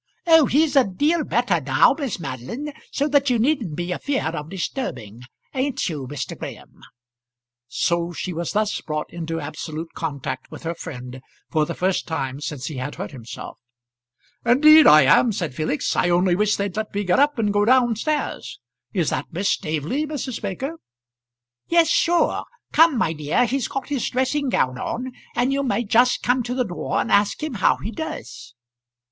"Oh, he's a deal better now, Miss Madeline, so that you needn't be afeard of disturbing; ain't you, Mr. Graham?" So she was thus brought into absolute contact with her friend, for the first time since he had hurt himself. [Illustration: Footsteps in the corridor.] "Indeed I am," said Felix; "I only wish they'd let me get up and go down stairs. Is that Miss Staveley, Mrs. Baker?" "Yes, sure. Come, my dear, he's got his dressing gown on, and you may just come to the door and ask him how he does."